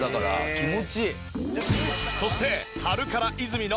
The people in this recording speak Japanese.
そして。